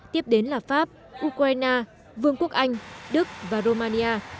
tiếp đến là pháp ukraine vương quốc anh đức và romania